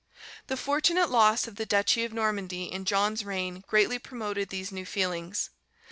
The fortunate loss of the Duchy of Normandy in John's reign greatly promoted these new feelings.